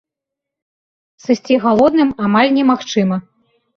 Сысці галодным амаль немагчыма.